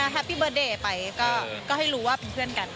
แฮปปี้เบิร์ตเดย์ไปก็ให้รู้ว่าเป็นเพื่อนกัน